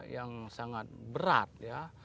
yang sangat berat ya